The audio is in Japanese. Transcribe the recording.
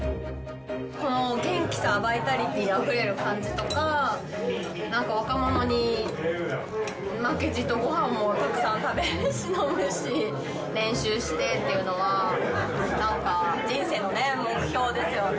この元気さ、バイタリティあふれる感じとか、なんか若者に負けじとごはんもたくさん食べるし、飲むし、練習してっていうのは、なんか人生の目標ですよね。